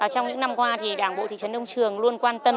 trong những năm qua đảng bộ thị trấn đông trường luôn quan tâm